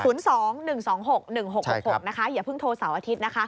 ๐๒๑๒๖๑๖๖๖อย่าเพิ่งโทรเสาร์อาทิตย์นะคะ